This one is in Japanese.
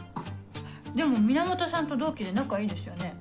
でも源さんと同期で仲いいですよね。